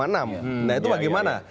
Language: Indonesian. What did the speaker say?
nah itu bagaimana